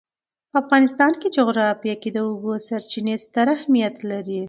د افغانستان جغرافیه کې د اوبو سرچینې ستر اهمیت لري.